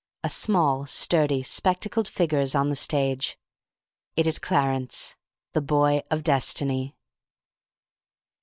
A small sturdy, spectacled figure is on the stage. It is Clarence, the Boy of Destiny.